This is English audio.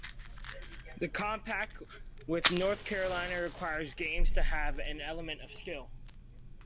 The compact with North Carolina requires games to have an element of skill.